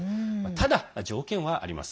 ただ、条件はあります。